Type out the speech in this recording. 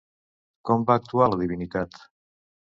Com va actuar la divinitat?